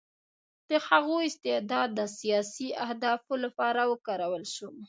د هغوی استعداد د سیاسي اهدافو لپاره وکارول شو